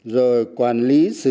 rồi quản lý sử dụng